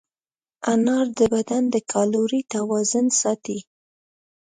انار د بدن د کالورۍ توازن ساتي.